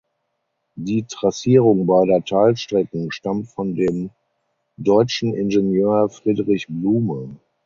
Die Trassierung beider Teilstrecken stammt von dem deutschen Ingenieur Friedrich Blume.